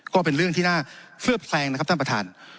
ก็เป็นเรื่องที่น่าเฟื้อแพลงนะครับท่านประธาน